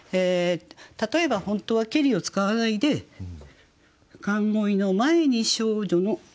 例えば本当は「けり」を使わないで「寒鯉の前に少女の」